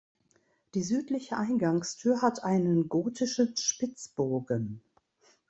Die südliche Eingangstür hat einen gotischen Spitzbogen.